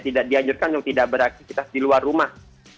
tidak dianjurkan untuk tidak beraktivitas di luar rumah